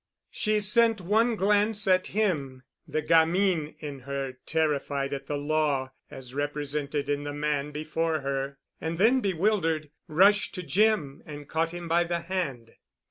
She sent one glance at him, the gamine in her terrified at the Law as represented in the man before her, and then bewildered, rushed to Jim and caught him by the hand.